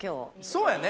そうやね。